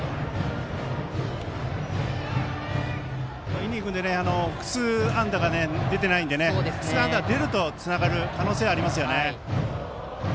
イニングで複数安打が出ていないので複数安打が出るとつながる可能性がありますね。